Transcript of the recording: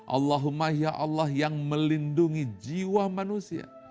allahumma ya allah yang melindungi jiwa manusia